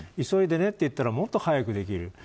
急いでねって言ったらもっと早くできる。